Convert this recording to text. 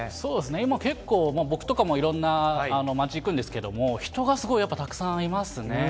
今、結構、僕とかも、いろんな街行くんですけども、人がすごい、たくさんいますね。